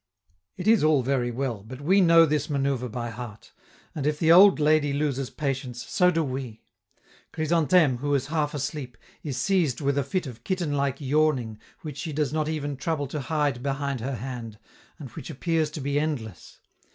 It is all very well, but we know this manoeuvre by heart; and if the old lady loses patience, so do we. Chrysantheme, who is half asleep, is seized with a fit of kitten like yawning which she does not even trouble to hide behind her hand, and which appears to be endless.